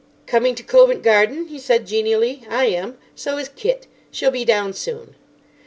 "Coming to Covent Garden?" he said, genially. "I am. So is Kit. She'll be down soon."